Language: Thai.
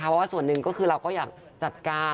เพราะว่าส่วนหนึ่งก็คือเราก็อยากจัดการ